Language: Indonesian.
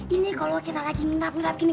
ini kalau kita lagi minta pilih pilih